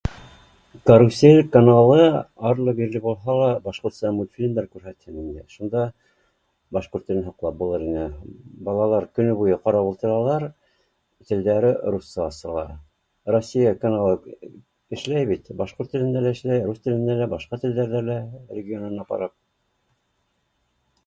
Карусель каналы арлы-бирле булһа ла башҡортса мультфильмдар күрһәтһен инде, шунда башҡорт телен һаҡлап булыр ине, балалар көнө буйы ҡарап ултыралар телдәре русса асыла, россия каналы эшләй бит башҡорт телендә лә эшләй, рус телендә лә, башҡа телдәрҙә лә регионына ҡарап